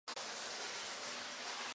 بینظیر بھٹو پڑھی لکھی خاتون تھیں۔